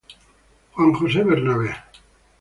Juan José Bernabé